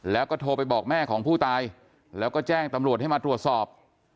แล้วก็โทรไปบอกแม่ของผู้ตายแล้วก็แจ้งตำรวจให้มาตรวจสอบ